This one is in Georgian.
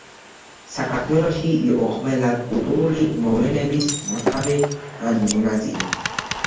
საქართველოში იყო ყველა კულტურული მოვლენის მოთავე ან მონაწილე.